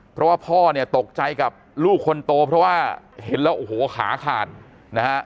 เพราะว่าพ่อเนี่ยตกใจกับลูกคนโตเพราะว่าเห็นแล้วโอ้โหขาขาดนะฮะ